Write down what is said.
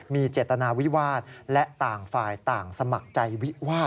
มีเจตนาวิวาสและต่างฝ่ายต่างสมัครใจวิวาด